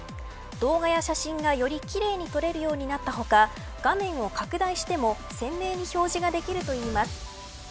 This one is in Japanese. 動画や写真が、よりきれいに撮れるようになった他画面を拡大しても鮮明に表示ができるといいます。